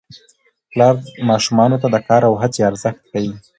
پلار ماشومانو ته د کار او هڅې ارزښت ښيي